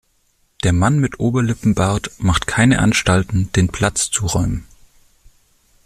Der Mann mit Oberlippenbart macht keine Anstalten, den Platz zu räumen.